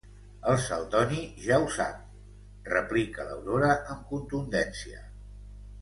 El Celdoni ja ho sap —replica l'Aurora amb contundència.